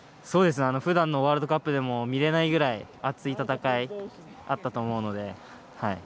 ふだんのワールドカップでも見れないぐらい熱い戦いがあったと思うので。